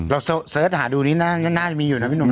เสิร์ชหาดูนี่น่าจะมีอยู่นะพี่หนุ่ม